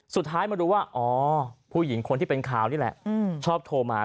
สุดท้ายมารู้ว่าอ๋อผู้หญิงคนที่เป็นข่าวนี่แหละชอบโทรมา